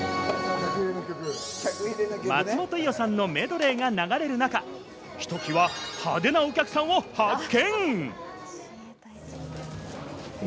松本伊代さんのメドレーが流れる中、一際、派手なお客さんを発見！